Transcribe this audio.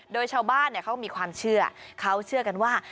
โดยชาวบ้านเขามีความเชื่อเขาเชื่อกันว่า